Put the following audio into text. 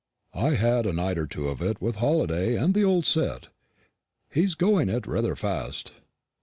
"I had a night or two of it with Halliday and the old set. He's going it rather fast."